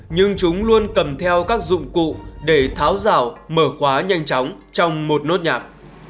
nhưng chúng luôn cầm theo các dụng cụ để tháo rào mở quá nhanh chóng trong một nốt nhạc